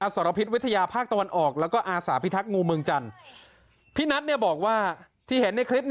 สรพิษวิทยาภาคตะวันออกแล้วก็อาสาพิทักษ์งูเมืองจันทร์พี่นัทบอกว่าที่เห็นในคลิป